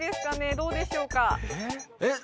どうでしょうか？